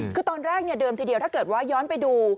คือตอนแรกเดิมทีเดียวถ้าเกิดว่าย้อนไปดู